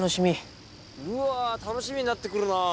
うわ楽しみになって来るな。